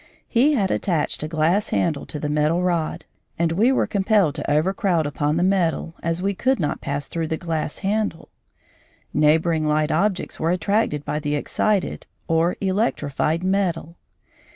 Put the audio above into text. He had attached a glass handle to the metal rod, and we were compelled to overcrowd upon the metal as we could not pass through the glass handle. Neighbouring light objects were attracted by the excited or "electrified" metal.